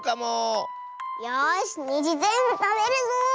よしにじぜんぶたべるぞ！